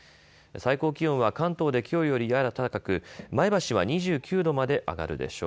最高気温は関東できょうよりやや高く前橋は２９度まで上がるでしょう。